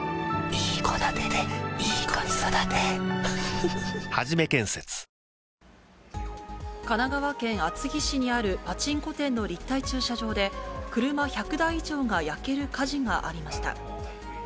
ｈｏｙｕ神奈川県厚木市にあるパチンコ店の立体駐車場で、車１００台以上が焼ける火事がありました。